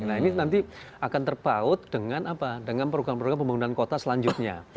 nah ini nanti akan terbaut dengan program program pembangunan kota selanjutnya